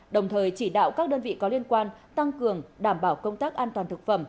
đồng thời chỉ đạo các đơn vị có liên quan tăng cường đảm bảo công tác an toàn thực phẩm